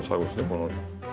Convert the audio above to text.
この。